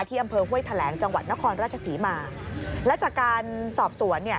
อำเภอห้วยแถลงจังหวัดนครราชศรีมาและจากการสอบสวนเนี่ย